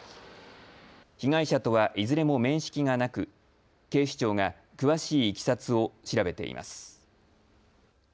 被害者とは、いずれも面識がなく警視庁が詳しいいきさつを調べています。